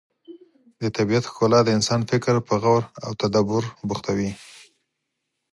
د طبیعت ښکلا د انسان فکر په غور او تدبر بوختوي.